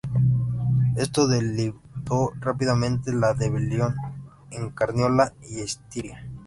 Esto debilitó rápidamente la rebelión en Carniola y Estiria.